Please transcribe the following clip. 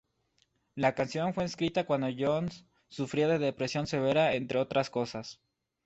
La canción fue escrita cuando Johns sufría de depresión severa entre otras cosas.